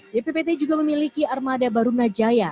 bppt juga memiliki armada barunajaya